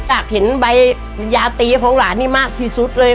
จากเห็นใบยาตีของหลานนี่มากที่สุดเลย